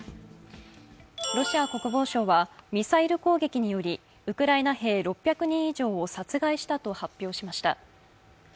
ロシア国防省はミサイル攻撃によりウクライナ兵６００人以上を殺害したと発表しました。